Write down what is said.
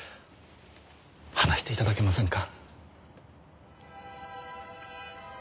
話して頂けませんか？